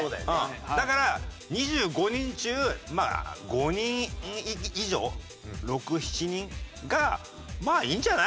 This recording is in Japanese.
だから２５人中まあ５人以上６７人が「まあいいんじゃない？